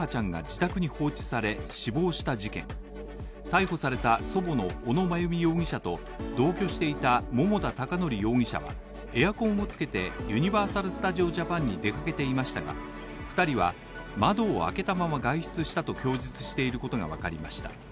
逮捕された祖母の小野真由美容疑者と同居していた桃田貴徳容疑者はエアコンをつけてユニバーサル・スタジオ・ジャパンに出かけていましたが２人は、窓を開けたまま外出したと供述していることが分かりました。